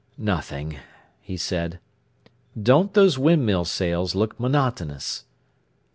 "Nothing!" he said. "Don't those windmill sails look monotonous?"